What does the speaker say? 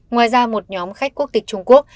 ngoài ra một nhóm khách quốc tịch trung quốc